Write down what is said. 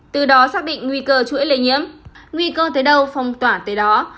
từ đó xác định nguy cơ chuỗi lây nhiễm nguy cơ tới đâu phong tỏa tới đó